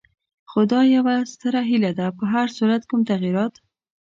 خو دا یوه ستره هیله ده، په هر صورت کوم تغیرات.